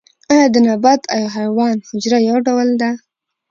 ایا د نبات او حیوان حجره یو ډول ده